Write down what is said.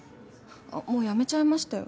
あっもう辞めちゃいましたよ。